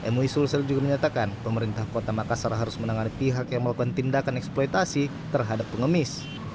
mui sulsel juga menyatakan pemerintah kota makassar harus menangani pihak yang melakukan tindakan eksploitasi terhadap pengemis